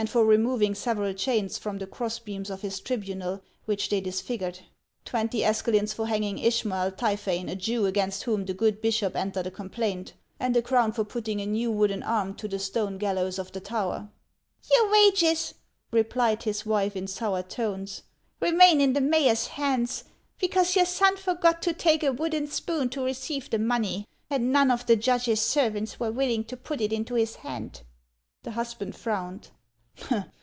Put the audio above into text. for removing several chains i'roni the cross beams of his tribunal, which they disfigured ; twenty escalins for hang ing Ishmael Typhaine, a Jew against whom the good bishop entered a complaint : and a crown for putting a new wooden arm to the stone gallows of the tower." " Your wages," replied his wife in sour tones, "remain in the mayor's hands, because your son forgot to take a wooden spoon to receive the money, and none of the judge's servants were willing to put it into his hand." The husband frowned.